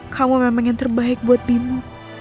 kamu memang yang terbaik buat bimo